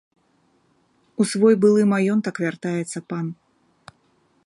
У свой былы маёнтак вяртаецца пан.